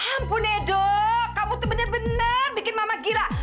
ampun edo kamu tuh bener bener bikin mama gila